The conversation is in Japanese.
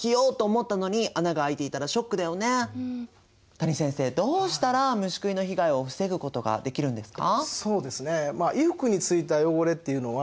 谷先生どうしたら虫食いの被害を防ぐことができるんですか？